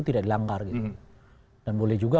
tidak dilanggar gitu dan boleh juga